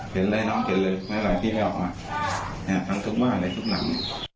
เข็นเลยเนาะเข็นเลยไม่ไหลพี่ให้ออกมาทั้งทุกบ้านและทุกหลัง